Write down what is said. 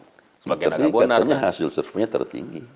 tapi katanya hasil surveinya tertinggi